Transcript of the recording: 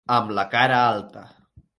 Amb la cara alta.